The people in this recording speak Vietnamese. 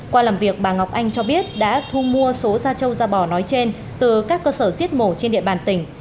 qua làm việc bà ngọc anh cho biết đã thu mua số da trâu da bò nói trên từ các cơ sở diết mổ trên địa bàn tỉnh